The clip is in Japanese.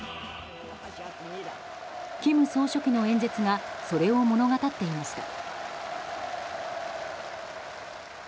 金総書記の演説がそれを物語っていました。